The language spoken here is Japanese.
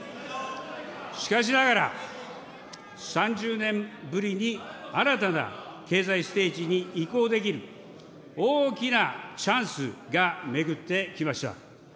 しかしながら、３０年ぶりに新たな経済ステージに移行できる大きなチャンスが巡ってきました。